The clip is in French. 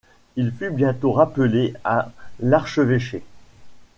Il fut bientôt rappelé à l'archevêché.